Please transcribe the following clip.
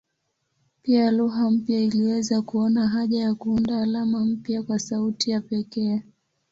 Pia lugha mpya iliweza kuona haja ya kuunda alama mpya kwa sauti ya pekee.